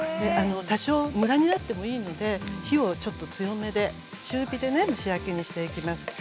多少ムラになってもいいので火をちょっと強めで、中火で、蒸し焼きにしていきます。